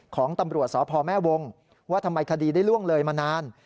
ของตำรวจสพแม่วงว่าทำไมคดีได้ล่วงเลยมานาน